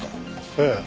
ええ。